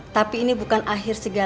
tapi ini bukan hal yang bisa diperlukan